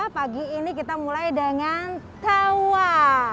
pagi ini kita mulai dengan tawa